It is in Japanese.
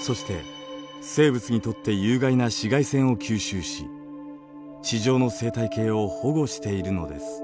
そして生物にとって有害な紫外線を吸収し地上の生態系を保護しているのです。